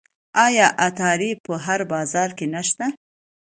آیا عطاري په هر بازار کې نشته؟